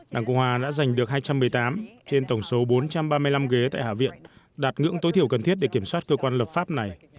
đảng cộng hòa đã giành được hai trăm một mươi tám trên tổng số bốn trăm ba mươi năm ghế tại hạ viện đạt ngưỡng tối thiểu cần thiết để kiểm soát cơ quan lập pháp này